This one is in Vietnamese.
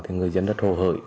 thì người dân rất hô hợi